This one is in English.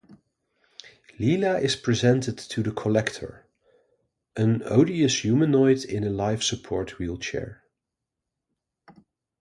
Leela is presented to the Collector, an odious humanoid in a life-support wheelchair.